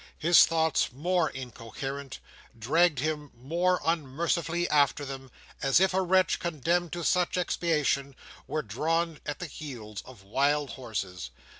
His thoughts, more incoherent, dragged him more unmercifully after them—as if a wretch, condemned to such expiation, were drawn at the heels of wild horses.